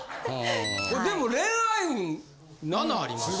でも恋愛運７あります。